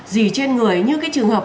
gì trên người như cái trường hợp